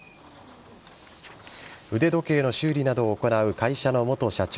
腕時計の修理などを行う会社の元社長